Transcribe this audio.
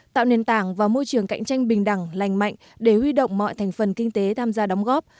tạo nền tảng và môi trường cạnh tranh bình đẳng lành mạnh để huy động mọi thành phần kinh tế tham gia đóng góp